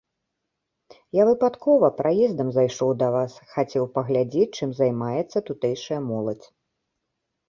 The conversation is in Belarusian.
Я выпадкова, праездам зайшоў да вас, хацеў паглядзець, чым займаецца тутэйшая моладзь.